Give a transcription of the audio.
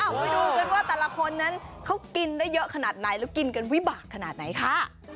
เอาไปดูกันว่าแต่ละคนนั้นเขากินได้เยอะขนาดไหนแล้วกินกันวิบากขนาดไหนค่ะ